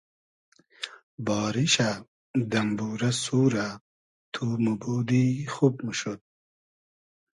باریشۂ ، دئمبورۂ سورۂ تو موبودی خوب موشود